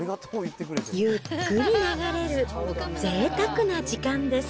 ゆっくり流れるぜいたくな時間です。